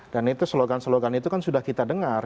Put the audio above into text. dan itu slogan slogan itu kan sudah kita dengar